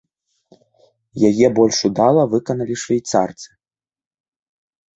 Яе больш удала выканалі швейцарцы.